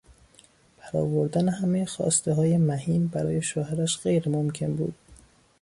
برآوردن همهی خواستههای مهین برای شوهرش غیر ممکن بود.